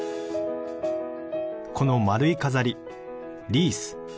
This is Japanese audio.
この丸い飾りリース。